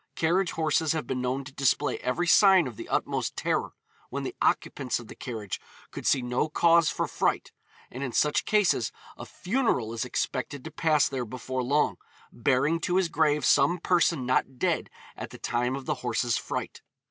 Carriage horses have been known to display every sign of the utmost terror, when the occupants of the carriage could see no cause for fright; and in such cases a funeral is expected to pass there before long, bearing to his grave some person not dead at the time of the horses' fright.